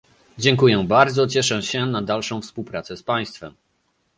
Dziękuję bardzo, cieszę się na dalszą współpracę z państwem